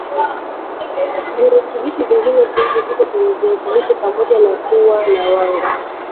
virutubishi vingine vingi viko kwenye viazi lishe pamoja na kuwa na wanga